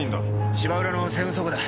芝浦の西運倉庫だ。